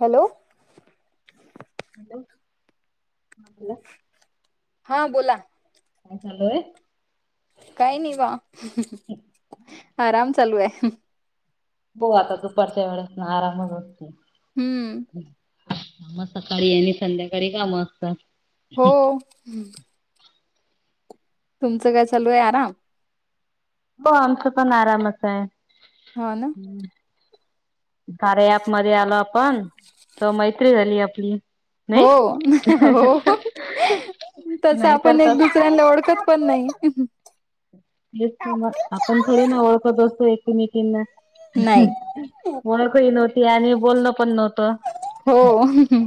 Hello. Hello hello. हा बोला. काय चालू ए? काही नाही बा... आराम चालू हाय. हो आता दुपारच्या वेळेस ना आरामच असतो. हम्म. मग सकाळी आणि संध्याकाळी कामं असतात. हो. तुमचं काय चालू आहे आराम? हो आमच पण आरामच आहे. हा ना. कार्या ऍप मध्ये आलो आपण त मैत्री झाली आपली. नाही हो हो. तसं नाही तर आपण तर एक दुसऱ्यांना ओळखत पन नाहीं. ते तर मग आपण थोडी ना ओळखत असतो एक एकीमेकींना.. ह.. नाही ओळखही नव्हती आणि बोलणं पण नव्हतं. हो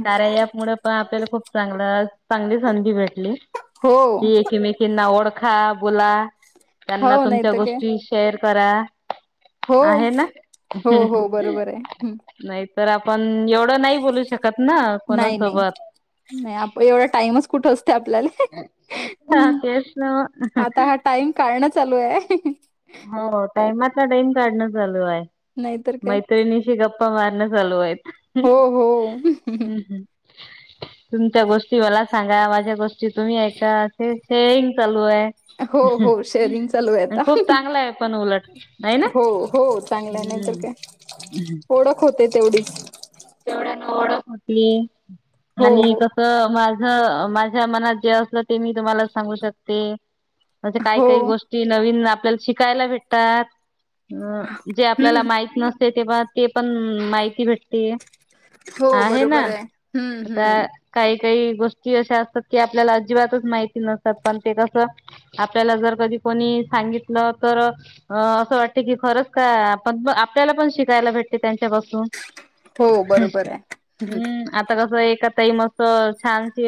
कार्या ॲपमुळे पण आपल्याला खूप चांगलं चांगली संधी भेटली. हो की एकीमेकींना ओळख खा बोला त्यांना हो नाही तुमच्या तर काय गोष्टी शेअर करा. हो आहे ना हो हो बरोबर आहे नाही. तर आपण एवढं नाही बोलू शकत ना नाही नाही कोणासोबत. नाही आप एवढा टाइमच कुठं असतो? आपल्याला हा ह् तेच ना आता हा टाइम काढणं चालू ए.. हो टाइमाचा टाइम काढणं चालू आहे नाहीतर काय मैत्रिणीशी गप् गप्पा मारणं चालू आहेत. हो हो. रिकामा ऑडिओ तुमच्या गोष्टी मला सांगा माझ्या गोष्टी तुम्ही ऐका ते शेअरिंग चालू आहे. हो हो शेअरिंग चालू आहे आता. खूप चांगलं आहे पण उलट नाही ना हो हो चांगलं आहे नाही तर काय ओलख होते तेवढीच. तेवढ्यानं ओळख होती हो आणि हो कसं मा कसं माझ्या मनात जे असलं ते मी तुम्हाला सांगू शकते. म्हणजे काही काही हो गोष्टी नवीन आपल्याला शिकायला भेटतात. अ जे आपल्याला हम्म माहित नसते तेव्हा ते पण माहिती भेटती.. हो आहे ना बरोबर हम्म आता हम्म काही काही गोष्टी गोष्टी अशा असतात की आपल्याला अजिबातच माहिती नसतात पण ते कसं आपल्याला जर कधी कोणी सांगितलं तर अ असं वाटतं की खरंच काय आपण पण आपल्याला पण शिकायला भेटतं त्यांच्या असं हो बरोबर आहे हम्म आता कसं एका मस्त छानशी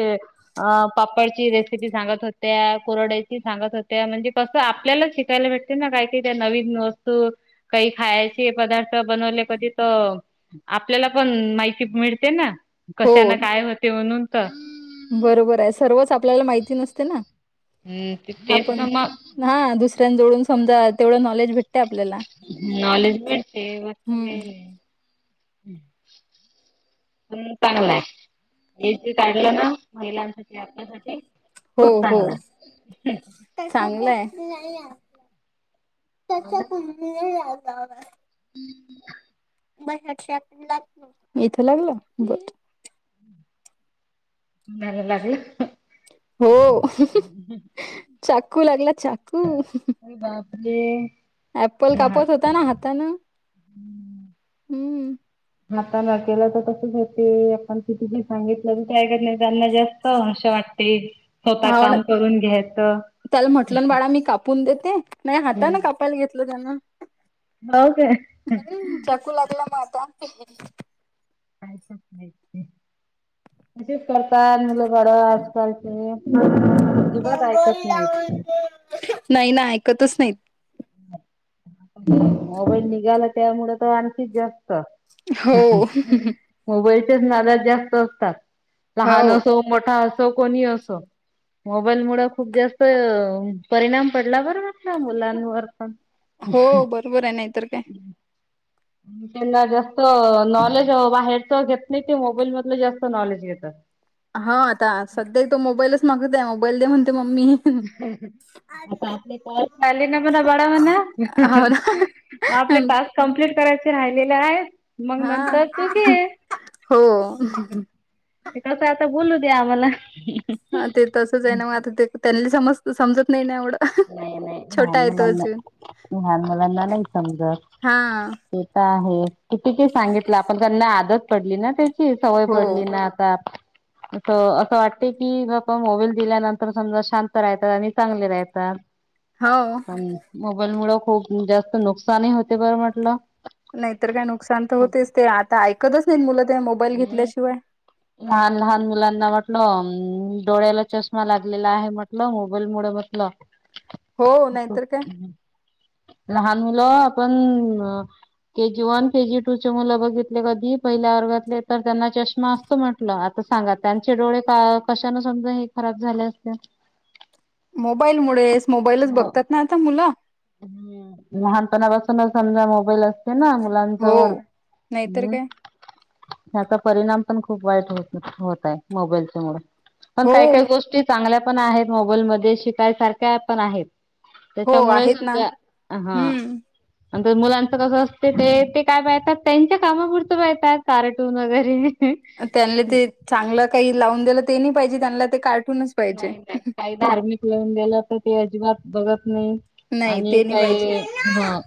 अ पापडची रेसिपी सांगत होत्या कुरड्याची सांगत होत्या म्हणजे कसं आपल्यालाच शिकायला भेटते ना काही का त्या नवीन वस्तू काही खायची पदार्थ बनवले कधी तर, आप आपल्याला पण माहिती मिळते ना हो कशाना काय होते म्हणून तर. बरोबर आहे सर्वच आपल्याला माहिती नसते ना. हम्म तेच आपण ना मग हा दुसऱ्यां जवळुन समजा तेवढं नॉलेज भेट नॉलेज मिळते बाकी हम्म काय नाही. प चांगला आहे हे जे काढलं ना महिलांसाठी आपल्यासाठी हो खूप हो चांगलं आहे चांगलंय. त्याच्यात [unintelligible] मला [unintelligible] इथं लागल ब नाही लागल. हो चाकू लागला चाकू. अे ॲप्पल कापत होता ना हातान हम्म. आता नातिला तर तसच ग्हेते आपण किती सांगितलं तरी काय कर नाही त्यांना जास्त अशा वाट. ते ह त्याला म्हटलं ना बाळा मी कापून दे ते नाही हातान कापायला घेतलं त्याना. हो काय हम् चाकू लागला मग आता. काय पण माहित नाही. असच करताय मुलं बाळ आजकालचे. नंबर ऐकत लावून नाहीत दे नाही ना ऐकतच नाहीत. मोबाईल निघाला त्यामुळं तर आणखीच जा स्त हो मोबाईल त्याच्याच नादात जास्त असतात हो लहान असो मोठा असो कोणी असो. मोबाईल मुळ खूप जास्त परिणाम पडला बर न ना मुलांवर. पण हो बरोबर आहे नाहीतर काय. त्यांना जास्त नॉलेज बाहेरच घेत नाही ते मोबाईल मधलं जास्त नॉलेज घेतात. हा आता सध्या तो मोबाईलच मागत आहे मोबाईल द्या म्हणते मम्मी. आता आपले हो ना [unintelligible] आपले टास्क कंप्लीट करायचे राहिलेलं आहे. मग हा नंतर तू घे हो कस आता बोलू त्या आम्हाला. हा ते तसंच आहे ना मग आता ते त्यांनी समज समजत नाही नाही एवढं. नाही नाही लहान छोटा आहे तो मुलांना अजून लहान मुलांना नाही समजत. हा तो तर आहे. कितीक सांगितलं आपण त्यांना आदत पडली ना त्याची सवय हो पडली ना आता. अस असं वाटते की बा मोबाईल दिल्यानंतर समजा शांत राहतय आणि चांगले राहतय. हो. पण मोबाईल मुळ खूप जास्त नुकसानही होते बरं म्हटलं. नाहीतर काय नुकसान तर होतेच ते आता ऐकतच नाहीत मुलं ते मोबाईल घेतल्याशिवाय. लहान लहान मुलांना म्हटलं डोळ्याला चष्मा लागलेला आहे म्हटल मोबाईल मुळ बटल हो नाहीतर काय. लहान मुलं आपण के जी वन के जी टूचे मुलं बघितले कधी पहिल्या वर्गातले तर त्यांना चष्मा अस तो म्हटलं आता सांगा त्यांचे डोळे कशाान समजा हे खराब झाले असते. मोबाईल मुळेच मोबाईलच बघतात ना आता मुलं लहानपणापासूनच समजा मोबाईल अस ते ना हो. मुलांजवळ नाहीतर हम् काय त्याचा परिणाम खुप वाईट होताय मोबाईल मूळ, पण हो काही काही गोष्ट चांगल्या - पण आहे मोबाईल मध्ये शिकायसारखं आहेत, हो त्यामुळे- आहेत ना आ.. हा... हम्म नंतर मुलांचं कसं असते ते, ते काय पाहतात त्यांच्या कामापुरतं पाहळतात कार्टून वगैरे- त्यांनी ते चांगलं काही लावून दिलं ते नाही पाहिजे त्यांना ते का- नाही- नाही काही धार्मिक लाहून गेलं तर ते अजिबात बघत- नाही नाही आणि ते नाही पाहिजे काही हं...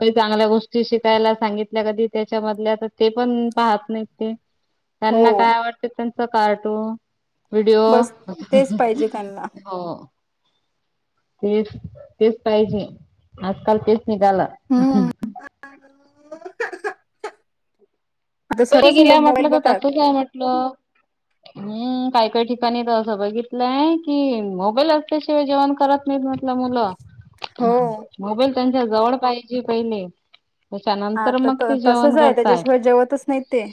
काही चांगल्या गोष्टी शिकायला सांगितल्या कधी त्याच्यामधल्या तर ते पण पाहत नाही ते- हो त्यांना काय आवडत त्यांच कार्टून, विडिओ- बस तेच पाहिजे त्यांना ह [inaudible] तेच, तेच पाहिजे आजकाल तेच- निघालं... हम्म आता तरी सर्वच गेल्याय मुलं मोबाईल म्हटलं, तर बघतात तसच आहे म्हटलं ह... काय काही ठिकाणी तर, असं बघितलंय की मोबाईल असल्याशिवाय जेवण करत नाहीत म्हटलं मुलं, हो मोबाईल त्यांच्या जवळ पाहिजे पहिले. हा त्याच्यानंतर मग तर ते तसच जेवण आहे, करताय त्याच्याशिवाय जेवतच नाही ते,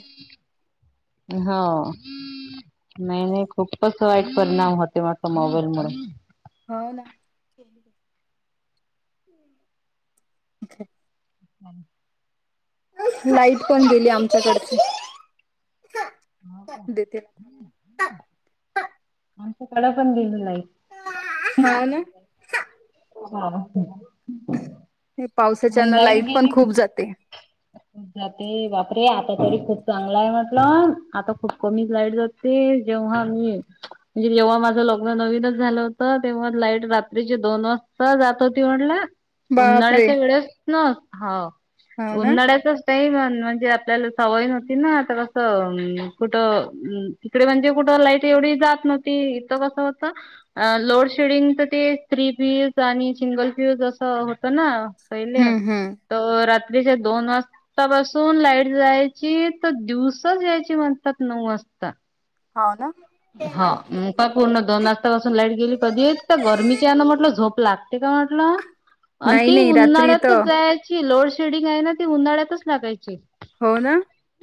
हा... नाही- नाही खूपच वाईट परिणाम होते मट मोबाईल मुळे - हो, ना, अ- ह लाईट पण गेली आमच्याकडची - ह का [inaudible] आमच्या कड पण गेले लाईट - हा ना हा.. हे पावसाच्या लाईट पण गेली खूप जाते. जाते बापरे आता तरी खूप चांगला आहे म्हटलं, आता खूप कमीच लाईट जाते. जेव्हा मी म्हणजे जेव्हा माझं लगन नवीनच झालं होत, तेव्हा लाईट रात्री दोन- न जातोती म्हणला? बापरे उन्हाळ्याच्या वेळेस ना, हा हो ना उन्हाळ्याचच नाही. म्हणजे आपल्याला सवय नती ना कस.... कुठ तिकडे म्हणजे कुठ लाईट, जात नव्हती, [inaudible] होत ना पहिले हम्म हम्म [unintelligible] दोन वाजतापासून लाईट जायची तर दिवसच यायची म्हणतात, नऊ वाजता- कत्ता- हो -ना. हा... का पूर्ण दोन वाजतापासून लाईट गेली कधी गर्मीच्या आहे ना म्हटलं झोप, लागते काय म्हटल आणि नाही ती नाही रात्री तर उन्हाळ्यातच जायची लो- शेडिंग आहे ना ती उन्हाळ्याच लागायची. हो- ना.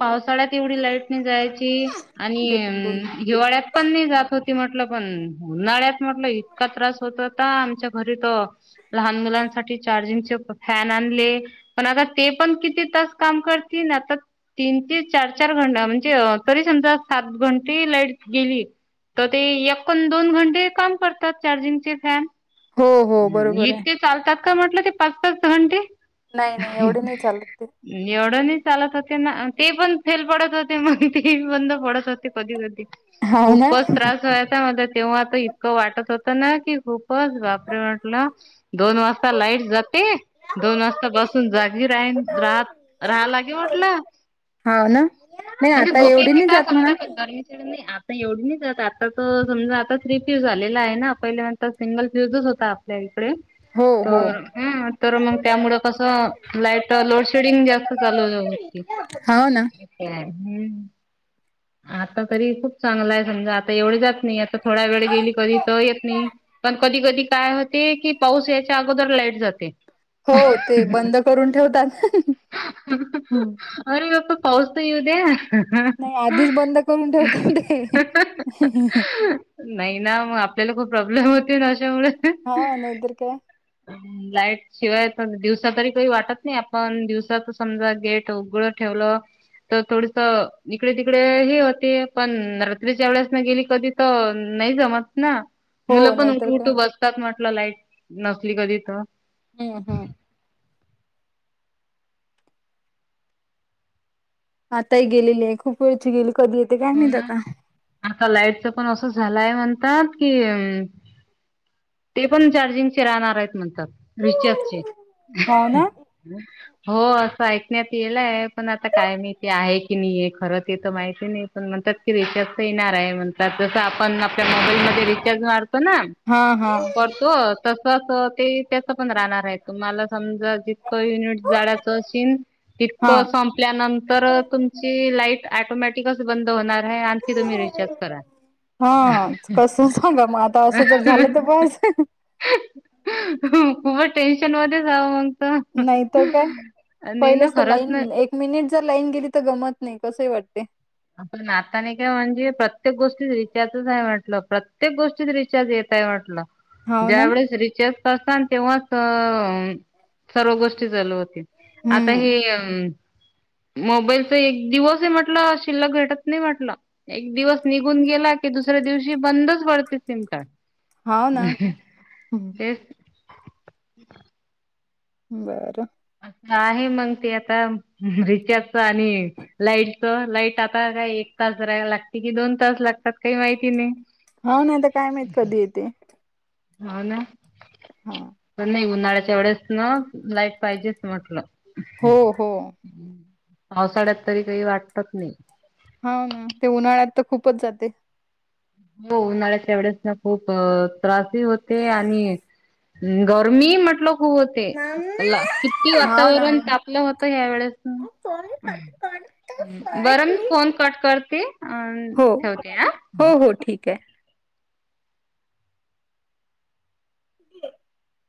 पावसाळ्यात एवढी लाईट नाही जायची आणि देतो मी दोन मिनिटं हिवाळ्यात पण नाही जात आहे. होती म्हटलं- पण उन्हाळ्यात म्हटलं इतका त्रास होतता, आमच्या घरी त लहान मुलांसाठी- चार्जिंग फॅन आणले, पण आता ते पण किती तास काम करतील, ता- तीन ते चार -चार घंटा म्हणजे तरी समजा सात घंटी लाईट- गेली तर तेण दोन घंटे काम करतात चार्जिंगचे फॅन- हो हो ् बरोबर आहे. इतके चालतात का म्हटलं ते पाच -पाच घंटे, नाही नाही एवढे नाही चालत ते. एवढं न- चालत होते ना ते पण फेल पडत होते मग ते बंद पडत होते, कधी- कधी हाव ना खूपच त्रास व्हायचा मला तेव्हा आता इतकं वाटत होतं ना की खूप- चं बापरे म्हटलं दोन वाजता लाईट जाते, दोन वाजता बसून जागी रा- रात राहा लागे म्हटलं. हा ना. नाही म्हणजे आता एवढी झोपेची नाही काय जात म्हणा. गरमी काय नाही आत. एवढी नाही जात आता तर समजा आता थ्री फ्यूज आलेला आहे ना पहिल्यांदा नंतर सिंगल फ्यूजच होता आपल्या हित. कडे हो हो तर ह तर मग त्यामुळे कस लाईट लोड शेडिंग जास्त चालू होती. हा. हम्म. आता तरी खूप चांगला आहे समजा आता एवढे जात नाही आता थोड्या वेळ गेली कधी तर येत नाही. पण कधी कधी काय होते की पाऊस याच्या अगोदर लाईट जाते. हो ते बंद करून ठेवतात. हम्म. अरे आता पाऊस त येऊ दे. नाही आधीच बंद करून ठेवता ते. नाही ना मग आपल्याला खूप प्रॉब्लेम होते ना अशामुळे. हा नाहीतर काय लाईट शिवाय दिवसा तरी काही वाटत नाही आपण दिवस समजा गेट उघड ठेवलं. तर थोडस इकडे तिकडे ह होते पण रात्रीच्या वेळेस न गेली कधी तर नाही जमत ना हो मुलं पण नाहीतर उठू काय. उठू बसतात म्हटलं लाईट नसली कधी तर. हम्म हम्म. आताही गेलेली आहे खूप वेळची गेली. कधी येते काय हो माहित ना आता आता लाईटच पण असं झालं मला म्हणतात की ते पण ते पण चार्जिंगचे राहणार आहेत म्हणतात. विचारचे. हाव ना. हो असं ऐकण्यात येलाय पण आता काय माहिती आहे की नाहीय खरं तेथ माहिती नाही. पण म्हणतात की रिचार्ज तर येणार आहे म्हणतात जसं आपण आपल्या मोबाईल मध्ये रिचार्ज मार तो ना हा हा. करतो तर तस ते त्याच पण राहणार आहे तुम्हाला समजा दिस युनिट झाडाच अस हा तितकं संपल्यानंतर तुमची लाईट टोमॅटिकच बंद होणार आहे आणखी तुम्ही रिचार्ज करा. हा कसं सांगा मग आता असं ज झालं तर बास. खूप टेन्शन मध्ये जावं मग. तर नाही तर काय नाही ना पहिलंच खरंच नाही लाईन एक मिनिट जर लाईन गेली तर गमत नाही. कसे वाटते. आपण नाताने काय म्हणजे प्रत्येक गोष्टीत रिचार्जच नाही म्हटलं प्रत्येक गोष्टीत रिचार्ज येत. काय वाटलं. हाव ना ज्या वेळेस रिचार्ज करत तेव्हाच अंअ सर्व गोष्टी चालू होतात. आता हम्म हे मोबाईलचा एक दिवस आहे म्हटलं शिल्लक घटत नाही म्हटलं एक दिवस निघून गेला की दुसऱ्या दिवशी बंदच पडते सिम कार्ड. हाव ना हं. तेच. बरं. आहे मग ते आता रिचार्जच आणि लाईटच लाईट आता काय तास रहायला लागते की दोन तास लागतात काही माहिती नाही. हा नाहीता काय माहीत कधी येते. हो ना हा पण नाही होत उन्हाळ्याच्यावळेस ना लाईट पाहिजेच म्हटलं. हो हो पावसाळ्यात तरी काही वाटतच नाही. हा ना ते उन्हाळ्यात तर खूपच जाते. हो उन्हाळ्यात वळेस ना खूप त्रासही होते आणि गर्मी म्हटलो. होते किती मम्मा हाव ना वातावरण तापलं होतं यावेळेस बरं मी फोन कट करत हे. अन ठेवते हा. ओके. [unintelligible]